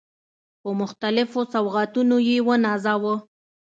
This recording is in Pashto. په مختلفو سوغاتونو يې ونازاوه.